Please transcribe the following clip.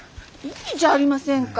いいじゃありませんか。